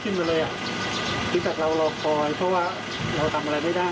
พริกษัตริย์จะหล่อไปเพราะว่าเราทำอะไรไม่ได้